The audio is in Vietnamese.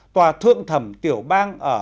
tòa thượng thẩm tiểu bang ở